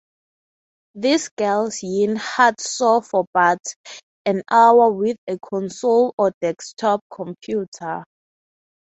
These girls yearn heartsore for but an hour with a console or desktop computer.